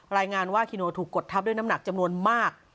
รายงานว่าคีโนถูกกดทับด้วยน้ำหนักจำนวนมาก